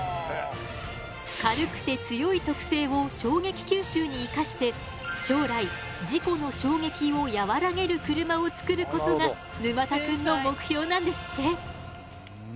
軽くて強い特性を衝撃吸収に生かして将来事故の衝撃をやわらげる車を作ることが沼田くんの目標なんですって。